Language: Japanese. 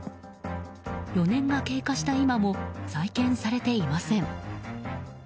４年が経過した今も再建されていません。